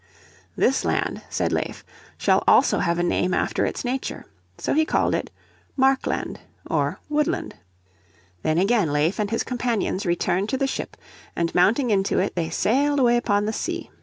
"This land," said Leif, "shall also have a name after its nature." So he called it Markland or Woodland. Then again Leif and his companions returned to the ship, and mounting into it they sailed away upon the sea.